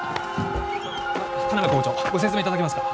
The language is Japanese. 田邊校長ご説明いただけますか？